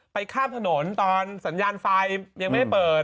ข้ามถนนตอนสัญญาณไฟยังไม่ได้เปิด